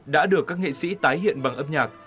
đã được các nghệ sĩ tái hiện bằng âm nhạc